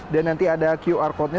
dan nanti ada qr code nya